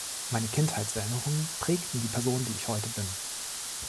Meine Kindheitserinnerungen prägten die Person, die ich heute bin.